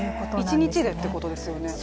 １日でということですよね？